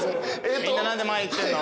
みんな何で前行ってんの？